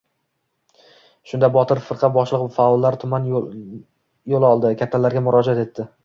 Shunda Botir firqa boshliq faollar tuman yo‘l oldi. Kattalarga murojaat etdi.